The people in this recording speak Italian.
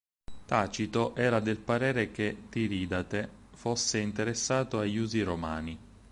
Tacito era del parere che Tiridate fosse interessato agli usi romani.